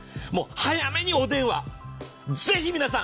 早めにお電話、ぜひ皆さん